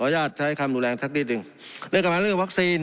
ญาตใช้คำรุนแรงสักนิดหนึ่งเรื่องกำลังเรื่องวัคซีน